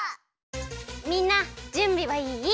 みんなじゅんびはいい？